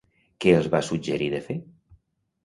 Què els va suggerir de fer?